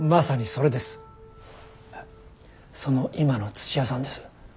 その今の土屋さんです。